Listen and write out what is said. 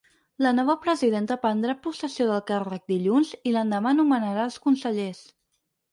La nova presidenta prendrà possessió del càrrec dilluns i l’endemà nomenarà els consellers.